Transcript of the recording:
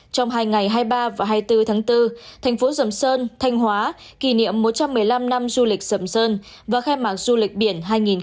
trong hai ngày hai mươi ba và hai mươi bốn tháng bốn thành phố sầm sơn thanh hóa kỷ niệm một trăm một mươi năm năm du lịch sầm sơn và khai mạc du lịch biển hai nghìn hai mươi bốn